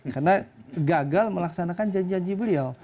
karena gagal melaksanakan janji janji beliau